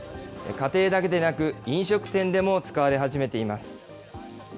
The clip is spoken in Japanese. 家庭だけでなく、飲食店でも使われ始めています。